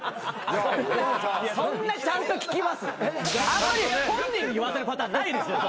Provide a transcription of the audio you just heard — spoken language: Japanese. あんまり本人に言わせるパターンないですよ。